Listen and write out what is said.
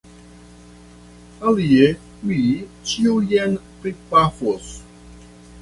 Alie mi ĉiujn pripafos!